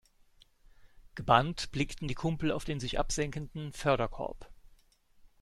Gebannt blickten die Kumpel auf den sich absenkenden Förderkorb.